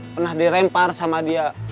pernah dirempar sama dia